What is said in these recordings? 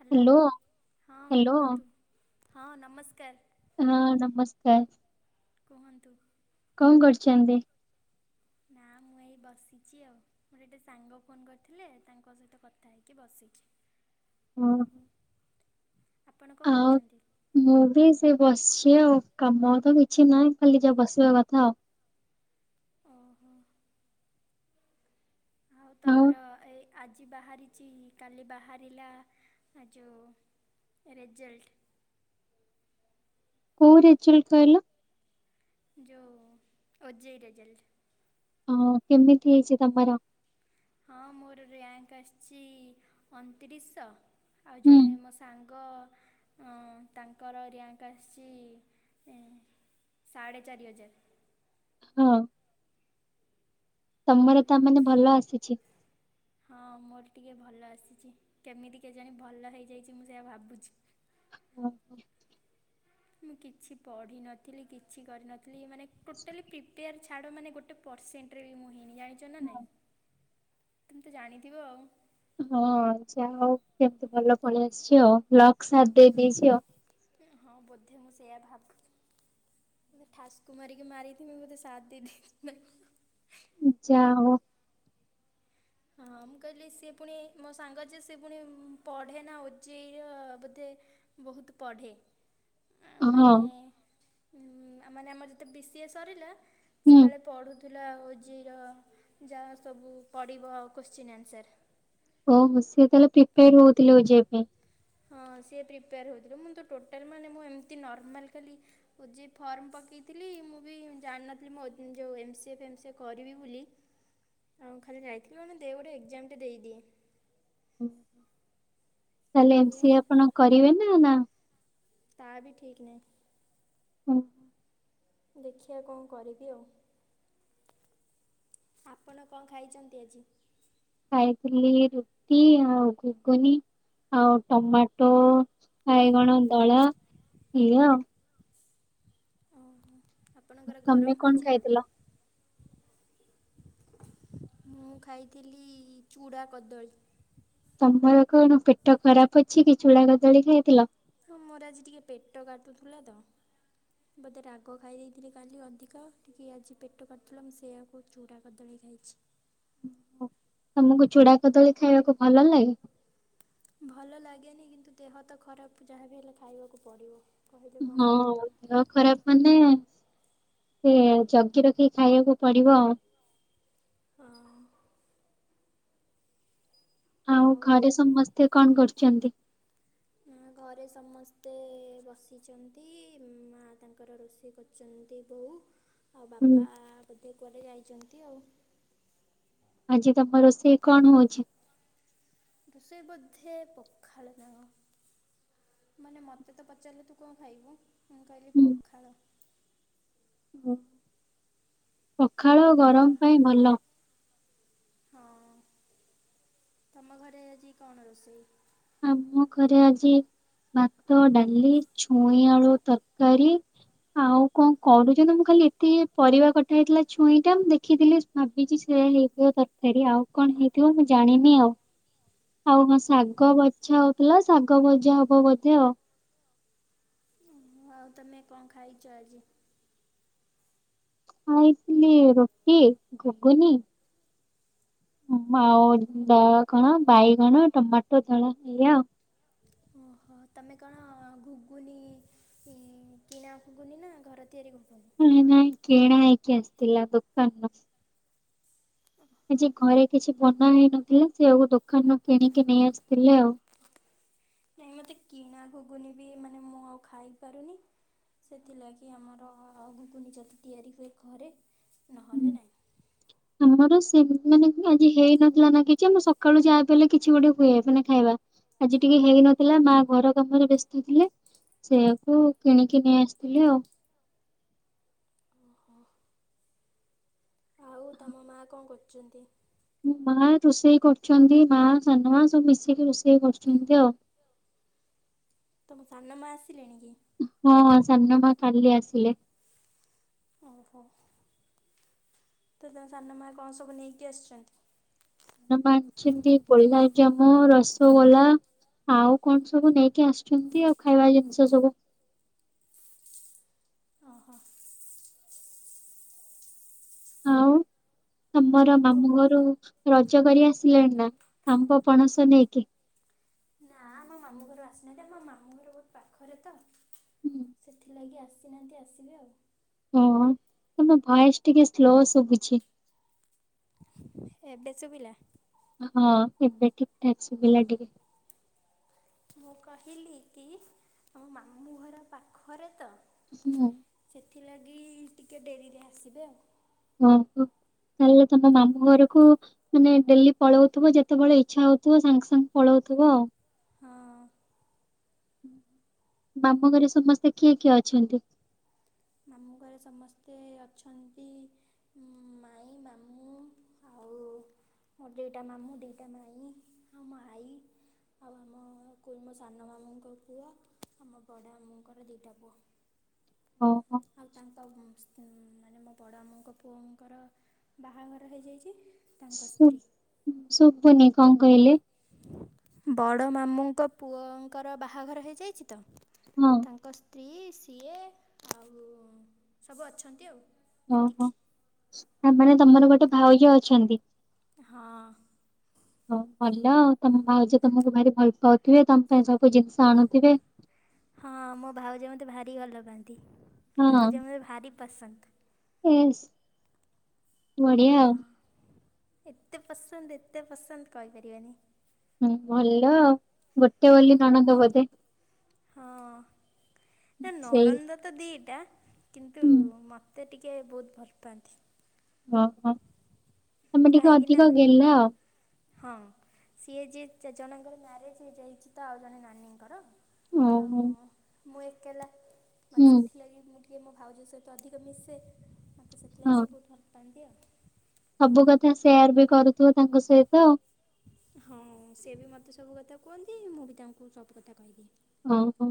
Hello ହଁ hello କୁହନ୍ତୁ। ହଁ ନମସ୍କାର। ହଁ ନମସ୍କାର। କୁହନ୍ତୁ। କଣ କରୁଛନ୍ତି? ନା ମୁଁ ଏଇ ବସିଛି ଆଉ ମୋର ଗଟେ ସାଙ୍ଗ ଫୋନ୍ କରିଥିଲେ ତାଙ୍କ ସହିତ କଥା ହେଇକି ବସିଛି। ହଁ ଆପଣ କଣ ଆଉ କରୁଛନ୍ତି? ମୁଁ ବି ସେ ବସିଛି। କିଏ ଆଉ କାମ ତ କିଛି ନାହିଁ ଖାଲି ଯା ବସିବା କଥା ଆଉ। ଓ ହୋ ହଉ ଆଉ ତମର ଏଇ ଆଜି ବାହାରିଛି କାଲି ବାହାରିଲା ଯେଉଁ ରେଜଲ୍ଟ। କଉରି ଚଳ ଖହଲ। ଯେଉ ଅଜେଇ ରେଜଲ୍ଟ। ହଁ କେମିତି ହେଇଛି ତମର? ହଁ ମୋର ର୍ୟାଙ୍କ ଆସିଛି ଅଣତିରିଶଶହ। ଆଉ ହୁଁ ଜଣେ ମୋ ସାଙ୍ଗ ତାଙ୍କର ର୍ୟାଙ୍କ ଆସିଛିଢ଼େ ଚାରି ହଁ ତମର ତା ମାନେ ଭଲ ଆସିଛି। ହଁ ମୋର ଟିକେ ଭଲ ଆସିଛି କେମିତି କେଜାଣି ଭଲ ହେଇଯାଇଛି ମୁଁ ସେଆ ଭାବୁଛି। ଓ ହୋ ମୁଁ କିଛି ପଢ଼ିନଥିଲି କିଛି କରିନଥିଲି ମାନେ ଟୋଟାଲି ପ୍ରିପେୟାର ଛାଡ଼ ମାନେ ଗୋଟେ ପରର୍ସେଣ୍ଟରେ ବି ମୁଁ ହେଇନି ଜାଣିଛ ନା ନାଇଁ ତୁମେ ତ ଜାଣିଥିବ ଆଉ। ହଁ ଯାଅ କେମତି ଭଲ ପଳେଇ ଆସିଛି ଆଉ ଲକ୍ ଦେଇ ଦେଇଛି ଆଉ। ହଁ ବୋଧେ ମୁଁ ସେଇୟଆ ଭାବ ମୋେ ଠାସକୁ ମାରିକି ମାରିଥିଲ ମୁ ବୋଧେ ସାଥ ଦେଇ ଦେଇ ଯା ହଉ ହଁ ମୁଁ କହିଲି ସିଏ ପୁଣି ମୋ ସାଙ୍ଗ ଯେ ସେଏ ପୁଣି ପଢ଼େ ନା ଓଜେଇର ବୋଧେ ବହୁତ ପଢ଼େ। ହଁ ମାନେ ଆ ମାନେ ଆମର ଯେତେ ବି ସିଏ ସରିଲା। ସେ ହୁଁ କଳେ ପଢୁ ତୁଲା ଆଉଓଜିର ଯାହା ସବୁ ପଡ଼ିବ ଉ କ୍ୱଶ୍ଚିନ୍ ଆନ୍ସର୍। ଓ ସେଏ ତାହେଲେ ପ୍ରିପୋର ହଉଥିଲେ ବ ଯିବା ପାଇଁ। ହଁ ସିଏ ପ୍ରିପେୟାର ହେଉଥିଲା ମୁଁ ତ ଟୋଟାଲ ମାନେ ମୁଁ ଏମିତି ନର୍ମାଲ ଖାଲି ଯ ଫର୍ମ ପକାଇଥିଲି ମୁଁ ବି ଜାଣିନଥିଲି ମୋ ଯେଉଁ ଏମ୍ସିଏ ଫେମ୍ସିଏ କରିବି ବୋଲି ଆଉ ଖାଲି ଯାଇଥିଲି ମାନେ ଦେ ଗୋଟେ ଏକ୍ଜାମଟେ ଦେଇଦିଏ। ତାହେଲେ ଏମ ଇଏ ସି ଆଉ ଆପଣ କରିବେ ନା ନା। ତା ବି ଠିକ ନାହିଁ। ହୁଁ। ଦେଖିବା କଣ କରିବି ଆଉ। ଆପଣ କଣ ଖାଇଛନ୍ତି ଆଜି। ଖାଇଥିଲି ରୁଟି ଆଉ ଘୁଗୁନି ଆଉ ଟମାଟୋ ବାଇଗଣ ଦଳା ଇଆ ଆଉ। ଓହୋ, ଆପଣଙ୍କର ତମେ ଗରମ କଣ ହଉଛି ନା। ଖାଇଥିଲ? ମୁଁ ଖାଇଥିଲି ଚୁଡ଼ା କଦଳୀ। ତମର କଣ ପେଟ ଖରାପ ଅଛି କି ଚୂଳା କଦଳୀ ଖାଇଥିଲ। ହଁ ମୋର ଆଜି ଟିକିଏ ପେଟ କାଟୁଥିଲା ତ ବୋଧେ ରାଗ ଖାଇ ଦେଇେଇଥିଲି କାଲି ଅଧିକ ଟିକିଏ ଆଜି ପେଟ କାଟୁଥିଲା ମୁଁ ସେଆକୁ ଚୂଡ଼ା କଦଳୀ ଖାଇଛି। ତମକୁ ଚୁଡା କଦଳୀ ଖାଇବାକୁ ଭଲ ଲାଗେ। ଭଲ ଲାଗେନି କିନ୍ତୁ ଦେହ ତ ଖରାପ ଯାହାବି ହେଲେ ଖାଇବାକୁ ପଡିବ। ହଁ ଦେହ ଖରାପ ମାନେ। ସେ ଜଗି ରଖିକି ଖାଇବାକୁ ପଡିବ ଆଉ। ହଁ। ଆଉ ଘରେ ସମସ୍ତେ କଣ କରୁକନ୍ତି। ଘରେ ସମସ୍ତେ ବସିଚନ୍ତି ମା ତାଙ୍କର ରୋଷେଇ କରୁଛନ୍ତି ବୋଉ। ଆଉ ହୁଁ ବାପା ବୋଧେ। କୁଆଡେ ଯାଇଛନ୍ତି ଆଉ। ଆଜି ତମର ସେ କଣ ହଉଛି। ସେ ବୋଧେ ପଖାଳ ନା। କଣ ମାନେ ମୋତେ ତ ପଚାରିଲେ ତୁ କଣ ଖାଇବୁ ମୁଁ କହିଲି ପଖାଳ। ହଁ। ପଖାଳ ଆଉ ତ ଗରମ ପାଇଁ ଭଲ। ହଁ ତମ ଘରେ ଆଜି କଣ ରୋଷେଇ। ଆମ ଘରେ ଆଜି ଭାତ ଡାଲି ଛୁଇଁ ଆଳୁ ତରକାରୀ ଆଉ କଣ କରୁଛନ୍ତି ମୁଁ ଖାଲି ଏତେ ପରିବା କଟା ହେଇଥିଲା ଛୁଇଁ ଟା ମୁଁ ଦେଖିଥିଲି ଭାବିଛି ସେଇଆ ହେଇଥିବ ତରକାରୀ ଆଉ କଣ ହେଇଥିବ ମୁଁ ଜାଣିନି ଆଉ ଆଉ ହଁ ଶାଗ। ଶାଗ ବଛା ହଉଥିଲା ଶାଗ ଭଜା ହବ ବୋଧେ ଆଉ। ଓହୋ ଆଉ ତମେ କଣ ଖାଇଛ ଆଜି? ଖାଇଥିଲି ରୁଟି ଘଗୁନି। ଆଉ ଦଳା କଣ ବାଇଗଣ ଟମାଟୋ ଦଳା ଏଇଆ ଆଉ। ଓହୋ ତମେ କଣ ଘୁଗୁନି କିଣା ଘୁଗୁନି ନା ଘର ତିଆରି ଘୁ ହେ ନାଇ କିଣା ହେଇକି ଆସିଥିଲା ଦୋକନୁରୁ। ଓହୋ ଆଜି ଘରେ କିଛି ବନା ହେଇନଥିଲା ସେ ଆଉକୁ ଦୋକାନରୁ କିଣିକି ନେଇ ଆସିଥିଲେ ଆଉ। ନାଇଁ ମୋତେ କିଣା ଘୁଗୁନି ବି ମାନେ ମୁଁ ଆଉ ଖାଇପାରୁନି ସେଥିଲାଗି ଆମର ଘୁଗୁନି ଯଦି ତିଆରି ହୁଏ ଘରେ ନହେଲେ ନହିଁ। ଆମର ସେମ ମାନେ ଆଜି ହେଇନଥିଲା ନା କିଛି ଆମ ସକାଳୁ ଯାହା ବି ହେଲେ କିଛି ଗୋଟେ ହୁଏ ମାନେ ଖାଇବା ଆଜି ଟିକେ ହେଇନଥିଲା ମା ଘର କାମରେ ବ୍ୟସ୍ତ ଥିଲେ ସେୟାକୁ କିଣିକି ନେଇ ଆସିଥିଲେ ଆଉ। ଓହୋ ଆଉ ତମ ମା କଣ କରୁଛନ୍ତି। ମୋ ମା ରୋଷେଇ କରୁଛନ୍ତି ମା ସାନମା ସବୁ ମିଶିକି ରୋଷେଇ କରୁଛନ୍ତି ଆଉ। ସନ ମା ଆ ହଁ। ସାନ ମା କାଲି ଆସିଲେ। ଓହୋ ତ ତମ ସାନମା କଣ ସବୁ ନେଇକି ଆସିଛନ୍ତି। ସାନ ମା ଆଣିଛନ୍ତି ଗୋଲାପଜାମୁ ରସଗୋଲା ଆଉ କଣ ସବୁ ନେଇକି ଆସିୁଛନ୍ତି ଆଉ ଖାଇବା ଜିନିଷ ସବୁ। ଓହୋ। ଆଉ। ତମର ଆଉ ମାମୁଁ ଘରୁ ରଜ କରି ଆସିଲେଣି ନା ଆମବ ପଣସ ନେଇକି। ନାଁ ମୋ ମାମୁଁ ଘରୁ ଆସିନାହାନ୍ତି ଆ ମୋ ମାମୁଁ ଘର ଗୋଟେ ପାଖରେ ତ ସେଥିଲାଗି ଆସ ବସିନାହାନ୍ତି ଆସିବେ ଆଉ ହଁ କି ବୟସ ଟିକେ ସ୍ଲୋ ସବୁ କିଛି। ଏବେ ଶୁଭିଲା। ହଁ ଏବେ ଠିକ ଠାକ୍ସ ଭିଲା ଟିକେ। ମୁଁ କହିଲି କି ଆମ ମାମୁଁ ଘର ପାଖରେ ତ ସି ଆଉ ଥିଲାଗି ଟିକେ ଡେରିରେ ଆସିବେ ଆଉ। ଓହୋ ତାହେଲେ ତମ ମାମୁଁ ଘରୁକୁ ମାନେ ଡେଲି ପଳଉଥୁବ ଯେତୋବେଳେ ଇଚ୍ଛା ହୋଉଥୁବ ସାଙ୍ଗ ସାଙ୍ଗ ପଳଉଥୁବ ଆଉ। ହଁ। ଉଁ ମାମୁଁ ଘରେ ସମସ୍ତେ କିଏ କିଏ ଅଛନ୍ତି? ମାମୁଁ ଘରେ ସମସ୍ତେ ଅଛନ୍ତି ଉଁ ମାଇଁ ମାମୁଁ ଆଉ ମୋର ଦୁଇଟା ମାମୁଁ ଦିଟା ମାଇଁ ଆଉ ମୋ ଆଈ ଆଉ ଆମ କୁ ମୋ ସାନ ମାମୁଁଙ୍କ ପୁଅ ଆଉ ମୋ ବଡ଼ ମାମୁଁଙ୍କର ଦିଟା ପୁଅ। ଓହୋ ଆଉ ତା ନ୍ତ ଉଁ ମାନେ ମୋ ବଡ଼ ମାମୁଁଙ୍କ ପୁଅଙ୍କର ବାହାଘର ହେଇଯାଇଚି। ଶୁ ଶୁବୁନି କଁ କହିଲେ? ବଡ ମାମୁଁଙ୍କ ପୁଅଙ୍କର ବାହାଘର ହେଇଯାଇଚି ତ। ହଁ ତାଙ୍କ ସ୍ତ୍ରୀ ସିଏ ଆଉ ସବୁ ଅଛନ୍ତି ଆଉ। ଅ ହ। ଏତିକି। ଆ ମାନେ ତମର ଗୋଟେ ଭାଉଜ ଅଛନ୍ତି। ହଁ। ହଉ ଭଲ ଆଉ ତମ ଭାଉଜ ତମୁକୁ ଭାରି ଭଲ ପାଉଥିବେ ତମ ପାଇଁ ସବୁ ଜିନଷ ଆଣୁଥିବେ। ରି ଅଲପା ତି ଭାଉଜ ମୋର ଭାରି ପସନ୍ଦ। ଇସ୍ ବଢ଼ିଆ ଆଉ। ଏତେ ପସନ୍ଦ ଏତେ ପସନ୍ଦ କହିପାରିବାନି। ହୁଁ ଭଲ ଆଉ ଗୋଟେ ବୋଲି ନଣନ୍ଦ ବୋଧେ? ହଁ। ନାଁ ସେଇ ନଣନ୍ଦ ତ ଦି ଟା କିନ୍ତୁ ହୁଁ ମତେ ଟିକେ ବୋହୁତ ଭଲ ପାଆନ୍ତି। ଓ ହ। ତମେ ଟିକେ କାହିଁକି ଅଧିକ ନା ଗେହ୍ଲା ଆଉ‌। ହଁ ସିଏ ଯିଏ ଜଣଙ୍କର ମ୍ୟାରେଜ ହେଇଯାଇଚି ତ ଆଉ ଜଣେ ନାନୀଙ୍କର। ଓ ଆଉ ହୋ। ମୁଁ ଏକେଲା ମତେ ସେଥିଲାଗି ମୁଁ ଟି [unintelligible] କିଏ ମୋ ଭାଉଜ ସହିତ ଅଧିକ ମିଶେ। ମୋତ ହଁ ସେଥିଲାଗି ସେ ଭୋଉତ ଭଲ ପାଆନ୍ତି ଆଉ। ସବୁ କଥା ସେୟାର ବି କରୁଥୁବ ତାଙ୍କ ସହିତ ଆଉ। ହଁ ସିଏ ବି ମତେ ସବୁ କଥା କୁହନ୍ତି ମୁଁ ବି ତାଙ୍କୁ ସବୁ କଥା କହିଦିଏ। ଓ ହୋ।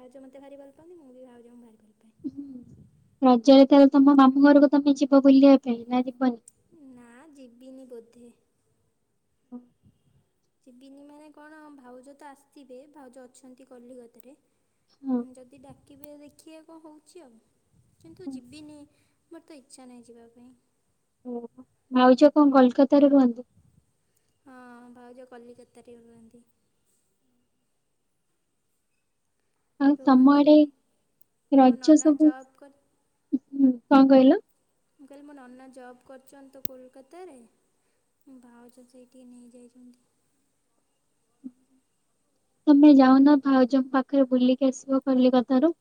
ଭାଉଜ ମତେ ଭାରି ଭଲ ପାନ୍ତି ମୁଁ ବି ଭାଉଜଙ୍କୁ ଭାରି ଭଲ ପାଏ। ହୁଁ ରଜରେ ତାହଲେ ତମ ମାମୁଁ ଘରକୁ ତମେ ଯିବ ବୁଲିବା ପାଇଁ ନା ଯିବନି। ନା ଯିବିନି ବୋଧେ। [unintelligible] ଯିବିନି ମାନେ କଣ ଭାଉଜ ତ ଆସିଥିବେ ଭାଉଜ ଅଛନ୍ତି କଲିକତା ରେ। ହଁ ଯଦି ଡାକି କିନ୍ତୁ ଦେଖିବା କଣ ହଉଛି ଆଉ। କିନ୍ତୁ ହଁ ଯିବିନି ମୋର ତ ଇଚ୍ଛା ନାହିଁ ଯିବା ପାଇଁ। ଓହୋ ଭଉଜ କଣ କୋଲକତା ରେ ରୁହନ୍ତି। ହଁ ଭାଉଜ କଲିକତାରେ ରୁହନ୍ତି। ଆଉ ତମ ରୁହନ୍ତି ଆଡେ ମୁଁ ମୋ ରଜ ନନା ସବୁ ଜବ୍ କରେ ହୁଁ କଣ କହିଲ? ନନା ଜବ୍ କରିଛନ୍ତି ତ କୋଲକାତାରେ ଭାଉଜ ସେଇଠିକି ନେଇଯାଇଛନ୍ତି ତମେ ଯାଉନ ଭାଉଜଙ୍କ ପାଖରେ ବୁଲିକି ଆସିବ କଲିକତାରୁ।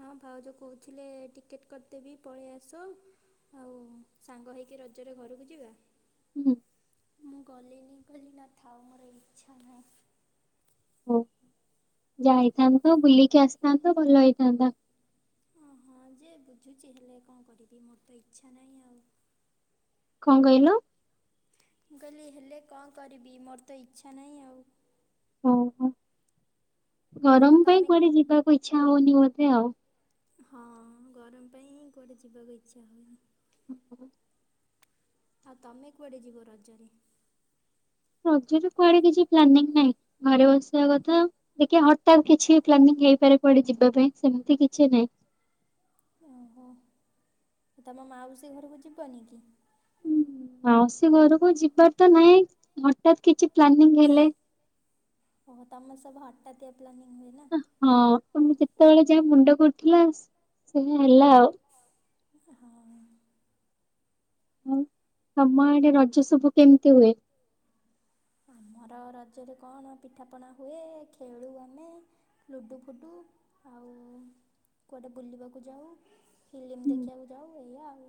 ହଁ ଭାଉଜବକହୁଥିଲେ ଟିକେଟ୍ କରିଦେବି ପଳେଇ ଆସ ଆଉ ସାଙ୍ଗ ହେଇକି ରଜରେ ଘରକୁ ଯିବା। ହୁଁ ମୁଁ ଗଲିନି କହିଲି ନା ଥାଉ ମୋର ଇଚ୍ଛା ନାହିଁ। ହଉ ଯାଇଥାନ୍ତ ବୁଲିକି ଆସିଥାନ୍ତ ଭଲ ହେଇଥାନ୍ତା। ହଁ ଯେ ବୁଝୁଛି ହେଲେ କଣ କରିବି ମୋର ତ ଇଚ୍ଛା ନାହିଁ ଆଉ। କଣ କହିଲ? ମୁଁ କହିଲି ହେଲେ କଣ କରିବି ମୋର ତ ଇଚ୍ଛା ନାହିଁ ଆଉ। ଓ ହୋ। ଆଉ ଗରମ ପାଇଁ ତମେ କୁଆଡେ ଯିବାକୁ ଇଚ୍ଛା ଇଚ୍ଛା ହଉନି ମୋତେ ଆଉ ହଁ ଗରମ ପାଇଁ ହିଁ କୁଆଡେ ଯିବାକୁ ଇଚ୍ଛା ହୁଏନି। [unintelligible] ଆଉ ତମେ କୁଆଡ଼େ ଯିବ ରଜରେ। ରଜରେ କୁଆଡେ କିଛି ପ୍ଲାନିଂ ନାହିଁ ଘରେ ବସିବା କଥା ଦେଖିବା ହଠତ୍ କିଛି ପ୍ଲାନିଂ ହେଇପାରେ କୁଆଡେ ଯିବା ପାଇଁ ସେମିତି କିଛି ନାଇଁ। ଓହୋ ତମ ମାଉସୀ ଘରକୁ ଯିବନି କି? ମାଉସୀ ଘରକୁ ଯିବାର ତ ନାହିଁ ହଠାତ୍ କିଛି ପ୍ଲାନିଂ ହେଲେ। ଓହୋ ତମ ସବୁ ହଠାତିଆ ପ୍ଲାନିଙ୍ଗ ହୁଏନା। ସେତେବେଳେ ଯାହା ମୁଣ୍ଡ ଉଠିଲା ସେଇଆ ହେଲା ଆଉ। ହଁ। ଆଉ ତମ ଆଡେ ରଜ ସବୁ କେମିତି ହୁଏ? ଆମର ରଜରେ କଣ ପିଠାପଣା ହୁଏ। ଖେଳୁ ଲୁଡୁ ଫୁଡୁ ଆଉ କୁଆଡ଼େ ବୁଲିବାକୁ ଯାଉ ଫିଲ୍ମ ଦେଖିବାକୁ ଯାଉ ଏଇଆ ଆଉ।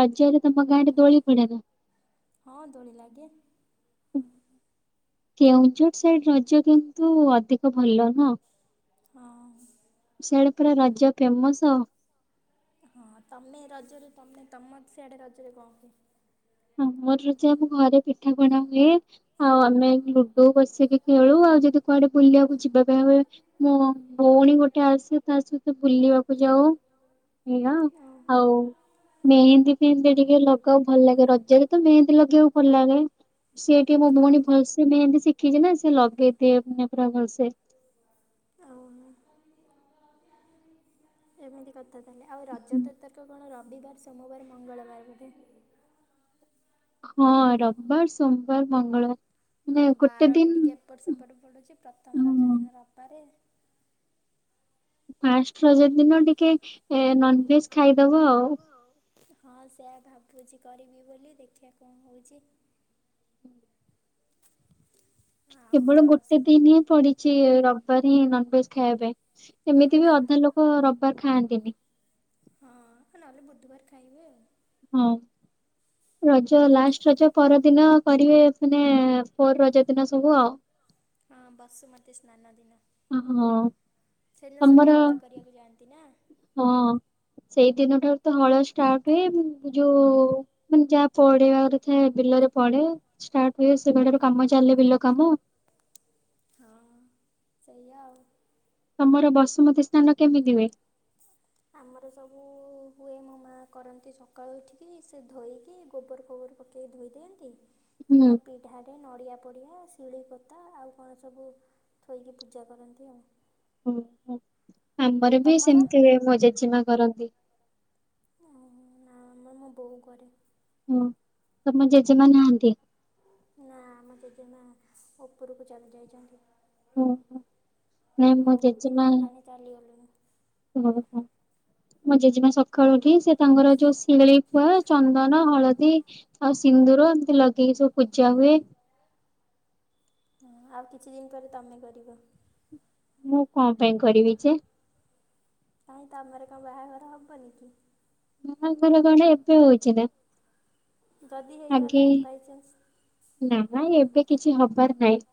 ରଜରେ ତମ ଗାଁରେ ଦୋଳି ପଡେନା? ହଁ ଦୋଳି ଲାଗେ। କେଉଁଝର ସାଇଡ ରଜ କିନ୍ତୁ ଅଧିକ ଭଲ ନା? ହଁ ସିଆଡେ ପୁରା ରଜ ଫେମସ। ହଁ ତମେ ରଜରେ ତମେ ତମ ସିଆଡେ ରଜରେ କଣ ହୁଏ। ଆମର ଘରେ ପିଠାପଣା ହୁଏ ଆଉ ଆମେ ଲୁଡୁ ବସିକି ଖେଳୁ ଆଉ ଯଦି କୁଆଡେ ବୁଲିବାକୁ ଯିବା ପାଇଁ ହୁଏ ମୋ ଭଉଣୀ ଗୋଟେ ଆସେ ତା ସହିତ ବୁଲିବାକୁ ଯାଉ ଏଇୟା ଓହୋ ଆଉ ଆଉ ମେହେନ୍ଦୀ ଫେହେନ୍ଦୀ ଟିକେ ଲଗାଉ ଭଲ ଲାଗେ ରଜ ହେନ୍ଦୀ ଲାଗେଇବାକୁ ଭଲ ଲାଗେ। ସେ ଟିକେ ମୋ ହଁ ଭଉଣୀ ଭଲସେ ମେହେନ୍ଦି ଶିଖିଛି ନା ଲଗେଇ ଦିଏ ମାନେ ପୁରା ଭଲସେ ଓହୋ ଏମିତି ଆଉ ରଜ [unintelligible] କଣ ବୁଦ୍ଧ ସୋମବାର ମଙ୍ଗଳବାର ହଁ ରବିବାର ସୋମବାର ମଙ୍ଗଳବାର ମାନେ ହଁ ଗୋଟେ ବାର ବି ଦିନ ଟିକେ ଏପଟ ସେପଟ ପଡୁଛି ପ୍ରଥମ ରଜ ହଁ ଦିନ ରବିବାର ଫାଷ୍ଟ ରଜ ଦିନ ଟିକେ ଏ ନନ୍ଭେଜ ଭେଜ ଖାଇଦବ ଆଉ ହଁ ସେଇଆ ଭାବୁଛି କରିବି ବୋଲି ଦେଖିବା କଣ ହଉଛି। କେବଳ ଗୋଟେ ଦିନ ହିଁ ପଡିଛି ରବିବାରି ହିଁ ନନଭେଜ ଖାଇବା ପାଇଁ ହଁ ଏମିତି ବି ତାପ ଅନ୍ୟ ଲୋକ ରବିବାର ଖାଆନ୍ତି। କେମିତି? ନ ହେଲେ ବୁଧୁବାର ଖାଇ ହୁଏ। ହଁ ରଜ ବୁଧ ଲାଷ୍ଟ ରଜ ପରଦିନ କରିବେ ମାନେ ପୋର ରଜ ଦିନ ସବୁ ଆଉ ହଁ ବାଶୁମତୀ ସ୍ନାନ ଥିଲା ଓ ହୋ ସେଦିନ ସବୁ ହଳ କରିବାକୁ ଯାଆନ୍ତି ନା ସେଇ ଦିନ ଠାରୁ ତ ହଳ ଷ୍ଟାର୍ଟ ହୁଏ। ଯୋଉ ମାନେ ଯାହା ପଡିବାର ଥାଏ ବିଲରେ ପଡେ ଷ୍ଟାର୍ଟ ହୁଏ। ସେବେ ଠାରୁ କାମ ଚାଲେ ବିଲ କାମ। ହଁ ସେ ଆଉ ମର ବସୁମତୀ ସ୍ନାନ କେମିତି ହୁଏ? ଆମର ସବୁ ହୁଏ ମୋ ମାଆ କରନ୍ତି ସକାଳୁ ଉଠିକି ସେ ଧୋଇକି ଗୋବର ଖୋବର ପକେଇକି ଧୋଇ ଦିଅନ୍ତି। ସେ ପିଢାରେ ନଡିଆ ପଡ଼ିଆ ଶିଳିପୋତା ଆଉ କଣ ସବୁ ଥୋଇକି ପୂଜା କରନ୍ତି ଆଉ। ହୁଁ ହ ଆମର ବି ତମର ସେମିତି ହୁଏ ମୋ ଜେଜେ ମା କରନ୍ତି। ଓ ନା ଆମର ମୋ ବୋଉ କରେ ଓ ତମ ଜେଜେମା ନାହାନ୍ତି? ନା ଆମର ଜେଜେମା ଉପରକୁ ଚାଲି ଯାଇଛନ୍ତି। ହୁଁ, ହୁଁ। ନାଇଁ ବହୁତ ଦିନ ହେଲାଣି ଚାଲିଗଲେଣି। ଓହୋ ମଁ ଜେଜେମା ସକାଳୁ ଉଠି ସେ ତାଙ୍କର ଯୋଉ ଶିଳି ଫୁଆ ଚନ୍ଦନ ହଳଦୀ ଆଉ ସିନ୍ଦୁର ଏମିତି ଲଗେଇକି ସବୁ ପୂଜା ହୁଏ। ହ ଆଉ କିଛି ଦିନ ପରେ ତମେ କରିବ। ମୁଁ କଣ ପାଇଁ କରିବି ଯେ କାହିଁ ତ ଆମର କଣ ବାହାଘର ହବନି କି ଆ ଘରେ କଣ ଏବେ ହଉଛି ନା ଯଦି ହେଇଗଲା ଆଗେ ବାଇଚାନ୍ସ ନା ଏବେ କିଛି ହବାର ନାହିଁ